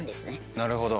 なるほど。